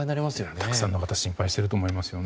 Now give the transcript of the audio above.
たくさんの方が心配していると思いますね。